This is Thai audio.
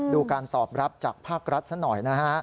การตอบรับจากภาครัฐซะหน่อยนะฮะ